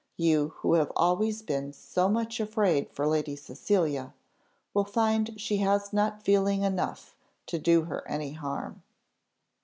You who have always been so much afraid for Lady Cecilia, will find she has not feeling enough to do her any harm."